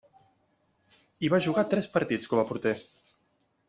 Hi va jugar tres partits com a porter.